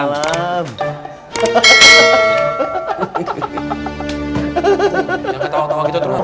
jangan ketawa ketawa gitu dong